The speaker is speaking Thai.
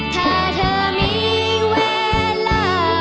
ถ้าเธอมีเวลา